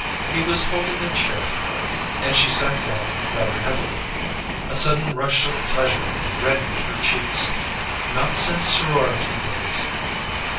He was holding a chair for her, and she sat down rather heavily. A sudden rush of pleasure reddened her cheeks. _Not since sorority days